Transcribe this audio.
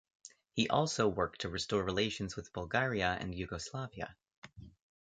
He also worked to restore relations with Bulgaria and Yugoslavia.